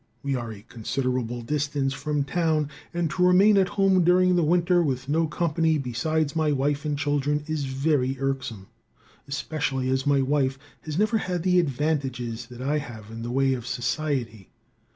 We are a considerable distance from town, and to remain at home during the winter with no company besides my wife and children is very irksome, especially as my wife has never had the advantages that I have in the way of society.